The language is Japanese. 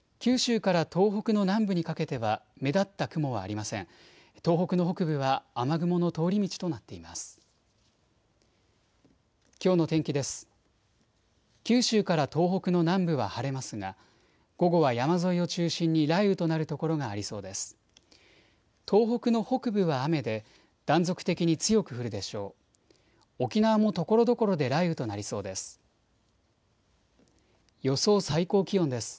九州から東北の南部は晴れますが午後は山沿いを中心に雷雨となる所がありそうです。